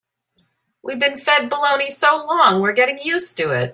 We've been fed baloney so long we're getting used to it.